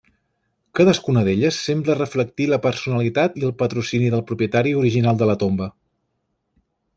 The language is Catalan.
Cadascuna d'elles sembla reflectir la personalitat i el patrocini del propietari original de la tomba.